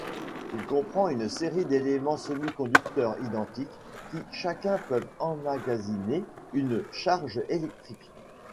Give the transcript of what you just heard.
Il comprend une série d'éléments semi-conducteurs identiques, qui chacun peuvent emmagasiner une charge électrique.